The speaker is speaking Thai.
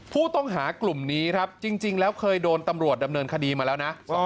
ผู้ต้องหากลุ่มนี้ครับจริงแล้วเคยโดนตำรวจดำเนินคดีมาแล้วนะ